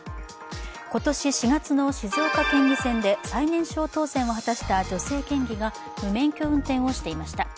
今年４月の静岡県議選で最年少当選を果たした女性県議が無免許運転をしていました。